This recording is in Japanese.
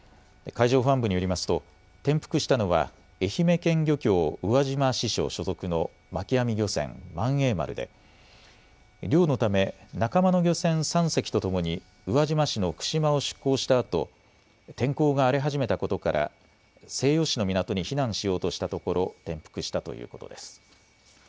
海上保安部によりますと転覆したのは愛媛県漁協宇和島支所所属の巻き網漁船、萬栄丸で漁のため仲間の漁船３隻とともに宇和島市の九島を出港したあと天候が荒れ始めたことから西予市の港に避難しようとしたところ転覆したということです。